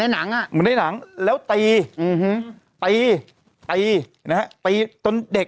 ในหนังอ่ะมันได้หนังแล้วตีอื้อฮือตีตีนะฮะตีจนเด็ก